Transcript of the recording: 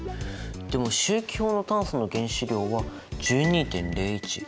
でも周期表の炭素の原子量は１２．０１。